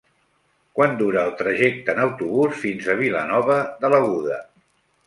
Quant dura el trajecte en autobús fins a Vilanova de l'Aguda?